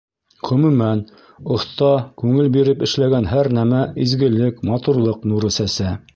Ғөмүмән, оҫта күңел биреп эшләгән һәр нәмә изгелек, матурлыҡ нуры сәсә.